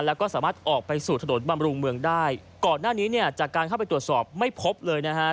แล้วก็สามารถออกไปสู่ถนนบำรุงเมืองได้ก่อนหน้านี้เนี่ยจากการเข้าไปตรวจสอบไม่พบเลยนะฮะ